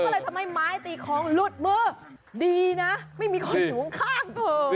ก็เลยทำให้ไม้ตีของหลุดมือดีนะไม่มีคนอยู่ข้างเธอ